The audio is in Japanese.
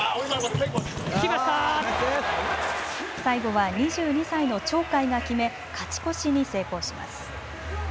最後は２２歳の鳥海が決め、勝ち越しに成功します。